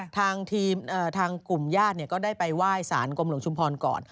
ทางกลุ่มญาติก็ได้ไปไหว้สารกรมหลวงชุมพรก่อน